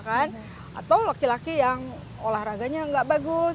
atau laki laki yang olahraganya nggak bagus